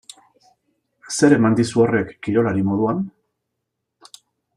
Zer eman dizu horrek kirolari moduan?